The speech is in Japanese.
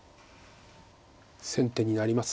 先手になります。